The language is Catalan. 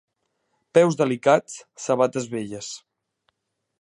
Peus delicats, sabates velles.